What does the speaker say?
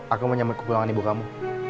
aku mau nyamuk ke pulangan ibu kamu